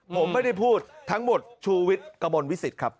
ผมไม่ได้พูดทั้งหมดชูวิทย์กระมวลวิสิตครับ